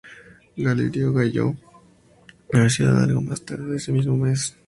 Galerio llegó a la ciudad algo más tarde ese mismo mes.